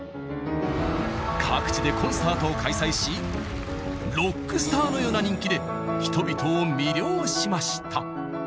各地でコンサートを開催しロックスターのような人気で人々を魅了しました。